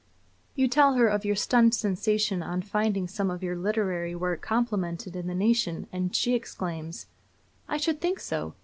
You tell her of your stunned sensation on finding some of your literary work complimented in the Nation, and she exclaims: 'I should think so!